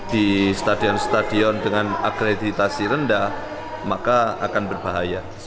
di stadion stadion dengan akreditasi rendah maka akan berbahaya